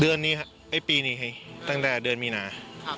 เดือนนี้ค่ะปีนี้ให้ตั้งแต่เดือนมีนา